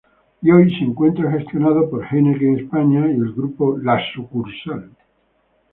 Y hoy se encuentra gestionado por Heineken España y el Grupo La Sucursal.